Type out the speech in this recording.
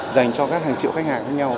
dành cho các hàng triệu khách hàng khác nhau